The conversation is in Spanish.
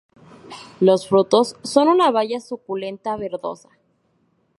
Los frutos son una baya suculenta, verdosa.